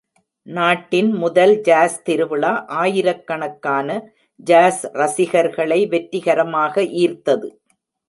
நாட்டின் முதல் ஜாஸ் திருவிழா ஆயிரக்கணக்கான ஜாஸ் ரசிகர்களை வெற்றிகரமாக ஈர்த்தது.